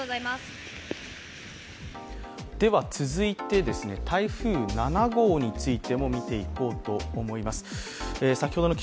続いて、台風７号についても見ていこうと思います。